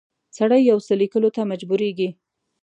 سړی یو څه لیکلو ته مجبوریږي.